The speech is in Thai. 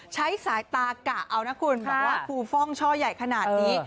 ใช้สายตากะเอานะคุณบอกว่าครูฟ่องช่อใหญ่ขนาดนี้